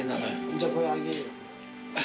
じゃあこれあげるよ。